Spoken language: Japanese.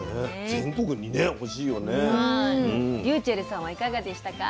ｒｙｕｃｈｅｌｌさんはいかがでしたか？